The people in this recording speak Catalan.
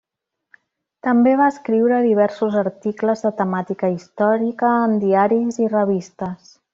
També va escriure diversos articles de temàtica històrica en diaris i revistes.